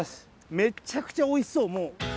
めちゃくちゃおいしそうもう。